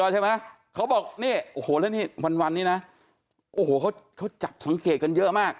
เขาบอกนี่โอ้โหแล้วนี่วันนี้นะโอ้โหเขาจับสังเกตกันเยอะมาก